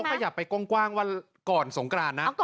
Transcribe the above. แต่เค้าขยับไปก้องกว้างวันก่อนสงคราญนะ